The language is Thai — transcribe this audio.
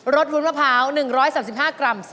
สวุ้นมะพร้าว๑๓๕กรัม